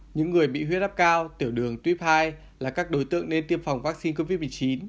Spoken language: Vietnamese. những người bị huyết áp cao tiểu đường tuyếp hai là các đối tượng nên tiêm phòng vaccine covid một mươi chín